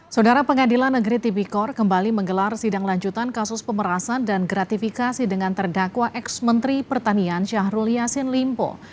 saudara pengadilan negeri tipikor kembali menggelar sidang lanjutan kasus pemerasan dan gratifikasi dengan terdakwa ex menteri pertanian syahrul yassin limpo